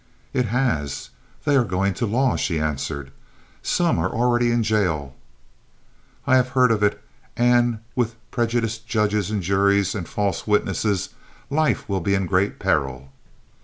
"It has. They are going to law," she answered. "Some are already in jail." "I have heard of it, and, with prejudiced judges and juries and false witnesses, life will be in great peril."